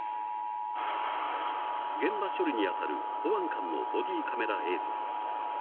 ［現場処理に当たる保安官のボディーカメラ映像］